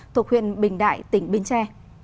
thuộc huyện bình đại tỉnh binh tre